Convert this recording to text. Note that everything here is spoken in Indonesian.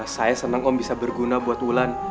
saya senang om bisa berguna buat wulan